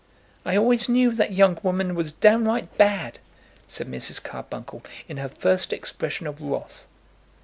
"I always knew that young woman was downright bad," said Mrs. Carbuncle in her first expression of wrath.